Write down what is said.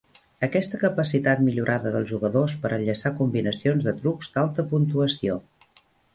Aquesta capacitat millorada dels jugadors per enllaçar combinacions de trucs d'alta puntuació.